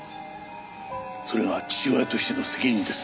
それが父親としての責任です。